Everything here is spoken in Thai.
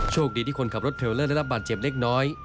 คดีที่คนขับรถเทลเลอร์ได้รับบาดเจ็บเล็กน้อย